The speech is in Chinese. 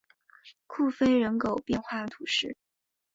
库菲人口变化图示